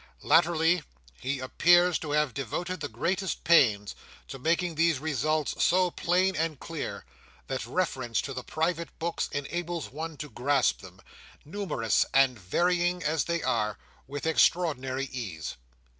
"Latterly, he appears to have devoted the greatest pains to making these results so plain and clear, that reference to the private books enables one to grasp them, numerous and varying as they are, with extraordinary ease.